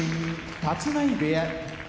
立浪部屋